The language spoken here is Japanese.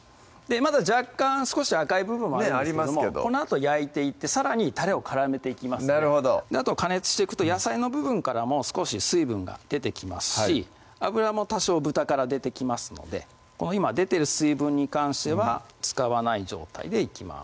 まだ若干少し赤い部分もありますけどもこのあと焼いていってさらにたれを絡めていきますのであと加熱していくと野菜の部分からも少し水分が出てきますし脂も多少豚から出てきますのでこの今出てる水分に関しては使わない状態でいきます